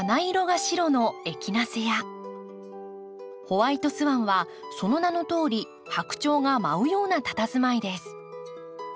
‘ホワイト・スワン’はその名のとおり白鳥が舞うようなたたずまいです。